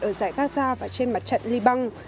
ở dải gaza và trên mặt trận liban